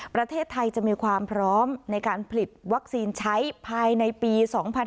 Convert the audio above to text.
ประเทศไทยจะมีความพร้อมในการผลิตวัคซีนใช้ภายในปี๒๕๕๙